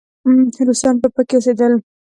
روسان به پکې اوسېدل.